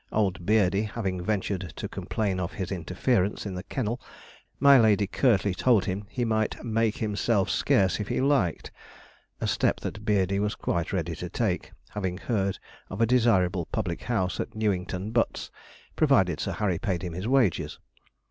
Old Beardey having ventured to complain of his interference in the kennel, my lady curtly told him he might 'make himself scarce if he liked'; a step that Beardey was quite ready to take, having heard of a desirable public house at Newington Butts, provided Sir Harry paid him his wages.